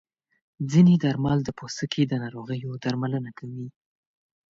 ځینې درمل د پوستکي د ناروغیو درملنه کوي.